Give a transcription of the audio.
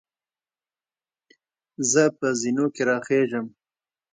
زۀ په زینو کې راخېږم.